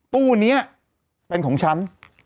ตู้นี้เป็นของฉัน